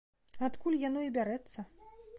Адкуль яно і бярэцца.